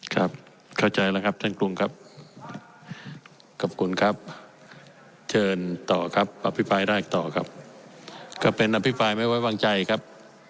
ครับเข้าใจแล้วครับท่านกรุงครับ